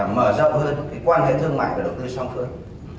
mở rộng hơn cái quan hệ thương mại và đầu tư song phương